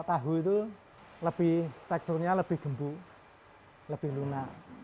tahu itu lebih teksturnya lebih gembu lebih lunak